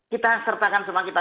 kita sertakan semua kita